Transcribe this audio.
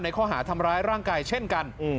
ข้อหาทำร้ายร่างกายเช่นกัน